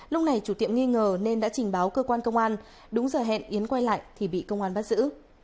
lúc này chủ tiệm nghi ngờ nên đã trình báo cơ quan công an đúng giờ hẹn yến quay lại thì bị công an bắt giữ